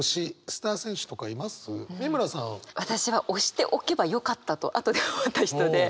私は推しておけばよかったと後で思った人で。